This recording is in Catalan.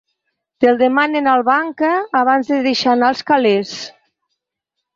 Te'l demanen al banca abans de deixar anar els calés.